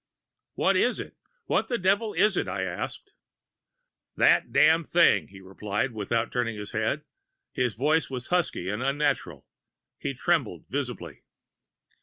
"'What is it? What the devil is it?' I asked. "'That Damned Thing!' he replied, without turning his head. His voice was husky and unnatural. He trembled visibly.